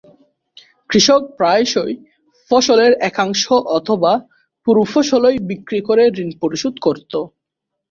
কৃষক প্রায়শই ফসলের একাংশ অথবা পুরো ফসলই বিক্রি করে ঋণ পরিশোধ করতো।